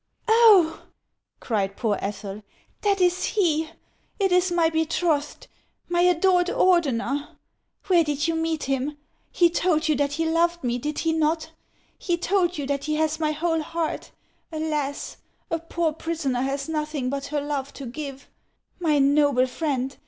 " Oh !" cried poor Ethel, " that is he ; it is my be trothed, my adored Ordener ! Where did you meet him ? He told you that he loved me, did he not ? He told you that he has my whole heart. Alas ! a poor prisoner has nothing but her love to give. My noble friend